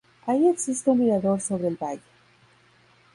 Allí existe un mirador sobre el valle.